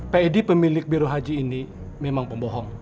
p e d pemilik biro haji ini memang pembohong